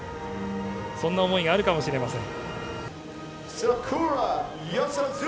そんな思いがあるかもしれません。